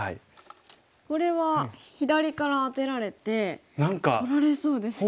これは左からアテられて取られそうですよね。